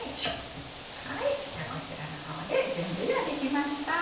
じゃあこちらの方で準備ができました。